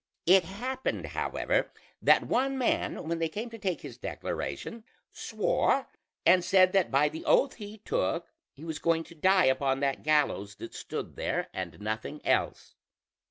It happened however that one man, when they came to take his declaration, swore and said that by the oath he took, he was going to die upon that gallows that stood there, and nothing else.